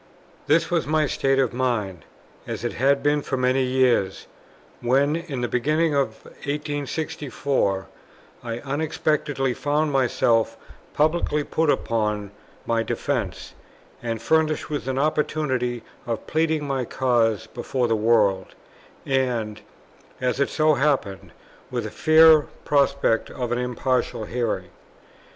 This was my state of mind, as it had been for many years, when, in the beginning of 1864, I unexpectedly found myself publicly put upon my defence, and furnished with an opportunity of pleading my cause before the world, and, as it so happened, with a fair prospect of an impartial hearing.